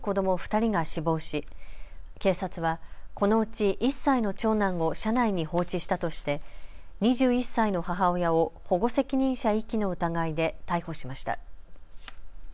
２人が死亡し警察は、このうち１歳の長男を車内に放置したとして２１歳の母親を保護責任者遺棄の疑いで逮捕しました。